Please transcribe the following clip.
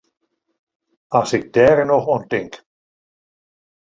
As ik dêr noch oan tink!